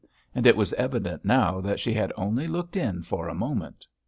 And it was evident now that she had only looked in for a moment.